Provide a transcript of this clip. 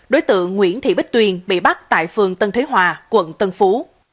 đối tượng nguyễn thị bích tuyền bị bắt tại phường tân thế hòa quận tân phú